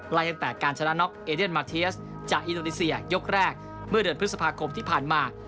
ตั้งแต่การชนะน็อกเอเดียนมาเทียสจากอินโดนีเซียยกแรกเมื่อเดือนพฤษภาคมที่ผ่านมา